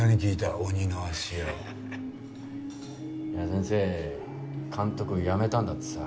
先生監督辞めたんだってさ